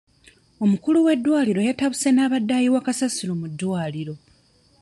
Omukulu w'eddwaliro yatabuse n'eyabadde ayiwa kasasiro ku ddwaliro.